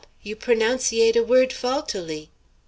You pronounciate' a word faultily!"